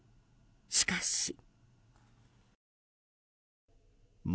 しかし。